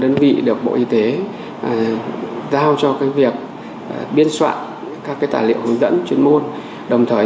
đơn vị được bộ y tế giao cho việc biên soạn các tài liệu hướng dẫn chuyên môn đồng thời